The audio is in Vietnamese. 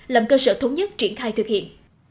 làm cơ sở thống nhất triển khai thực hiện